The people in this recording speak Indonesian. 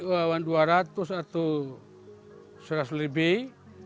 wawan dua ratus atau seratus lebih